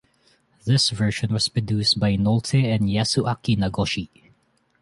This version was produced by both Nolte and Yasuaki Nagoshi.